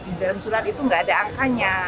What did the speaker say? di dalam surat itu tidak ada akannya